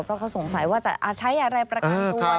เพราะเขาสงสัยว่าจะใช้อะไรประกันตัว